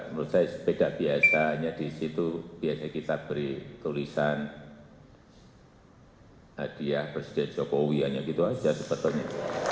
menurut saya sepeda biasanya di situ biasanya kita beri tulisan hadiah presiden jokowi hanya gitu saja sebetulnya